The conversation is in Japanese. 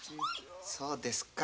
そうですか。